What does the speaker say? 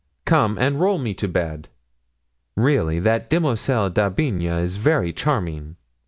Come and roll me to bed. Really, that Demoiselle d'Aubigne is very charming!"